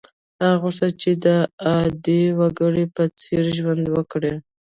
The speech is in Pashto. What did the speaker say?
هغه غوښتل چې د عادي وګړي په څېر ژوند وکړي.